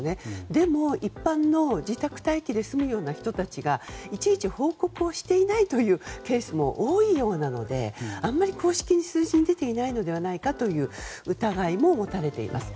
でも、一般の自宅待機で済むような人たちがいちいち報告していないというケースも多いようなのであんまり公式に数字に出ていないのではないかという疑いも持たれています。